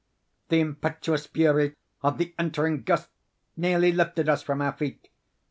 The impetuous fury of the entering gust nearly lifted us from our feet.